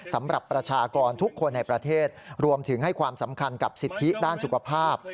สำหรับประชากรทุกคนในประเทศรวมถึงให้ความสำคัญกับสิทธิด้านสุขภาพ